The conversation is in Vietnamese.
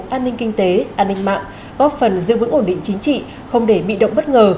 an ninh kinh tế an ninh mạng góp phần giữ vững ổn định chính trị không để bị động bất ngờ